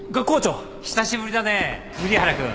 久しぶりだね瓜原君。